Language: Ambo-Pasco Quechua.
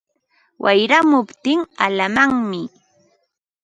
Wayramuptin alalanmi